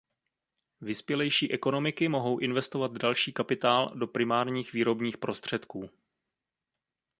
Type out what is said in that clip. Vyspělejší ekonomiky mohou investovat další kapitál do primárních výrobních prostředků.